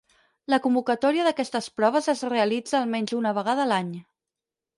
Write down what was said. La convocatòria d'aquestes proves es realitza almenys una vegada l'any.